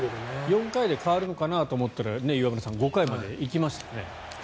４回で代わるのかなと思ったら岩村さん５回まで行きましたね。